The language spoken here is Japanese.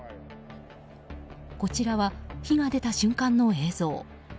こちらは火が出た瞬間の映像。